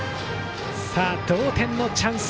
同点のチャンス